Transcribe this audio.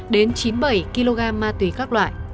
đến chín mươi bảy kg ma túy các loại